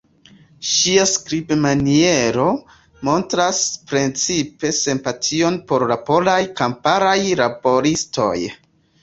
Ŝia skribmaniero montras precipe simpation por la polaj kamparaj laboristoj.